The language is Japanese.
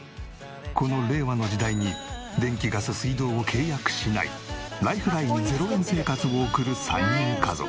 この令和の時代に電気ガス水道を契約しないライフライン０円生活を送る３人家族。